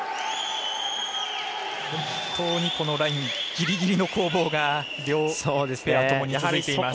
本当にこのラインギリギリの攻防が両ペアともに続いています。